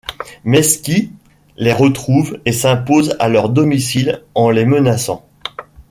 Maisky les retrouve et s'impose à leur domicile en les menaçant.